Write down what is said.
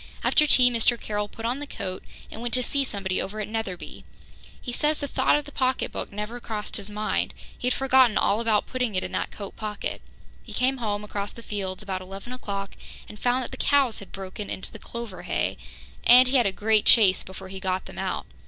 After tea Mr. Carroll put on the coat and went to see somebody over at Netherby. He says the thought of the pocketbook never crossed his mind; he had forgotten all about putting it in that coat pocket. He came home across the fields about eleven o'clock and found that the cows had broken into the clover hay, and he had a great chase before he got them out.